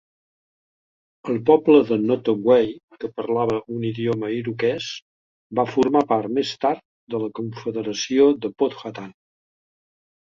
El poble de Nottoway, que parlava un idioma iroquès, va formar part més tard de la confederació de Powhatan.